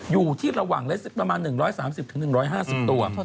อยู่ที่ระหว่างประมาณ๑๓๐๑๕๐ตัว